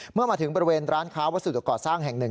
เมื่อมาถึงบริเวณร้านค้าวัสดุก่อสร้างแห่งหนึ่ง